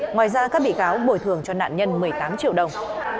ngoài ra các bị cáo bồi thường cho nạn nhân một mươi tám triệu đồng